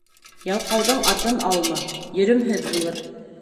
Ялҡауҙың атын алма, йөрөмһөҙ булыр.